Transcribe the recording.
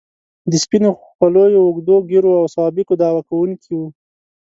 د سپینو خولیو، اوږدو ږیرو او سوابقو دعوه کوونکي وو.